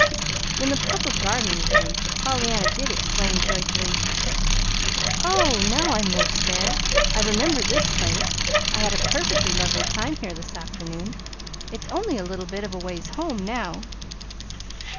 When the Public Garden was reached, Pollyanna did exclaim joyfully: "Oh, now I'm 'most there! I remember this place. I had a perfectly lovely time here this afternoon. It's only a little bit of a ways home now."